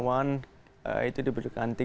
one itu diperlukan